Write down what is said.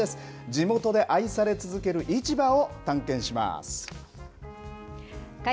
地元で愛され続ける市場を探検します。